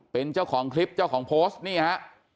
เป็นเจ้าของคลิปเจ้าของโพสต์นี่ฮะ